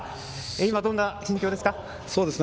今、どんな心境ですか？